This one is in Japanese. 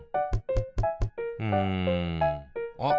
うんあっ！